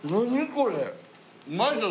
これ。